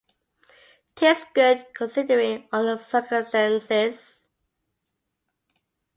Tis good considering all the circumstances.